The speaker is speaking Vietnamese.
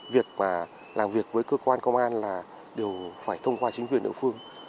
việc làm việc với cơ quan công an là đều phải thông qua chính quyền địa phương